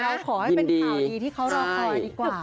แล้วขอให้เป็นข่าวดีที่เขารอคอยดีกว่า